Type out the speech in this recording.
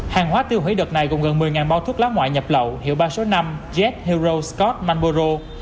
hàng hóa tiêu hủy đợt này gồm gần một mươi bao thuốc lá ngoại nhập lậu hiệu ba số năm jet hero scott manborough